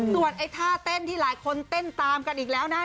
ส่วนไอ้ท่าเต้นที่หลายคนเต้นตามกันอีกแล้วนะ